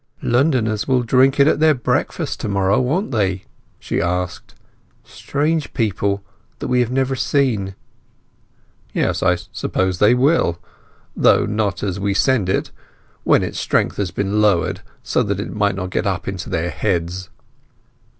"Londoners will drink it at their breakfasts to morrow, won't they?" she asked. "Strange people that we have never seen." "Yes—I suppose they will. Though not as we send it. When its strength has been lowered, so that it may not get up into their heads."